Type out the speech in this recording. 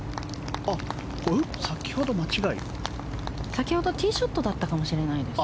先ほどティーショットだったかもしれないです。